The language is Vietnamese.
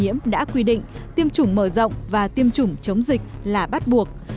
nhiễm đã quy định tiêm chủng mở rộng và tiêm chủng chống dịch là bắt buộc